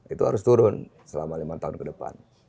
itu harus turun selama lima tahun ke depan